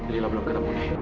lila belum ketemu nih